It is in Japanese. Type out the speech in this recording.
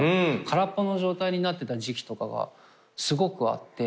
空っぽの状態になってた時期がすごくあって。